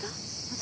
私。